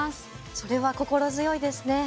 それは心強いですね。